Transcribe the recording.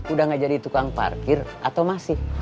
udah gak jadi tukang parkir atau masih